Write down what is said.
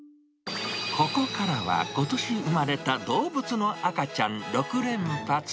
ここからは、ことし産まれた動物の赤ちゃん６連発！